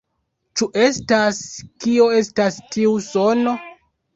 Ĉu estas... kio estas tiu sono?